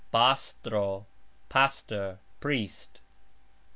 pastro : pastor, priest.